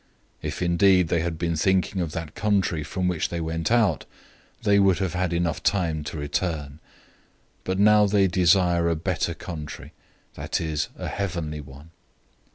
011:015 If indeed they had been thinking of that country from which they went out, they would have had enough time to return. 011:016 But now they desire a better country, that is, a heavenly one.